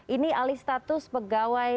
ini alih status pegawai